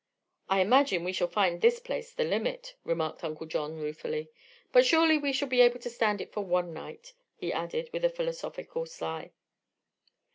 "I imagine we shall find this place 'the limit'," remarked Uncle John ruefully. "But surely we shall be able to stand it for one night," he added, with a philosophic sigh.